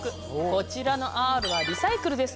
こちらのＲはリサイクルです！